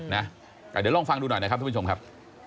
เดี๋ยวลองฟังดูหน่อยนะครับทุกผู้ชมครับ